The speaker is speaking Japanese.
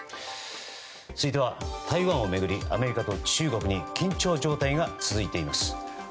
続いては台湾を巡りアメリカと中国に緊張状態が続いています。